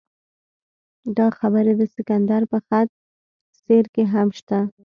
دا خبرې د سکندر په خط سیر کې هم شته.